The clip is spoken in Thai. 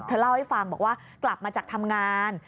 เล่าให้ฟังบอกว่ากลับมาจากทำงาน